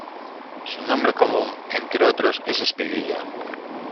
Su nombre común entre otros es espiguilla.